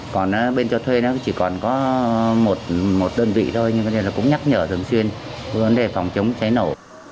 còn bên cho thuê chỉ còn có một đơn vị thôi nhưng cũng nhắc nhở thường xuyên vấn đề phòng chống cháy nổ